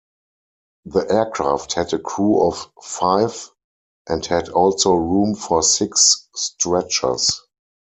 The aircraft had a crew of five and had also room for six stretchers.